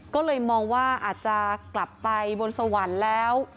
ก็เลยมองว่าอาจจะกลับไปบนสวรรค์แล้ว